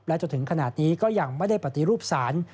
จนถึงขนาดนี้ก็ยังไม่ได้ปฏิรูปศาล